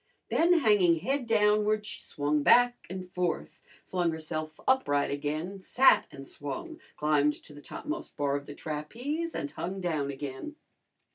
Then hanging head downward she swung back and forth; flung herself upright again, sat and swung; climbed to the topmost bar of the trapeze and hung down again.